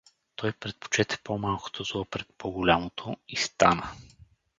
Той предпочете по-малкото зло пред по-голямото и стана.